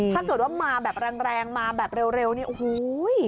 ถ้าเกิดว่ามาแบบแรงมาแบบเร็วนี่โอ้โห